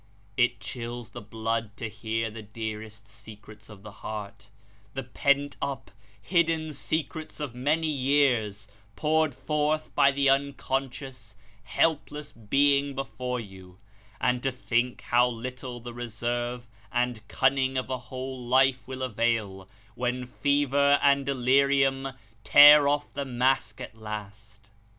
It chills the blood to hear the dearest secrets of the heart the pent up, hidden secrets of many years poured forth by the unconscious helpless being before you ; and to think how little the reserve and cunning of a whole life will avail, when fever and delirium tear off the mask at last.